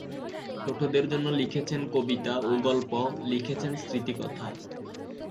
ছোটদের জন্য লিখেছেন কবিতা ও গল্প; লিখেছেন স্মৃতিকথা।